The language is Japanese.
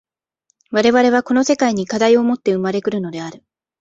我々はこの世界に課題をもって生まれ来るのである。